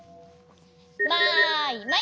マイマイ。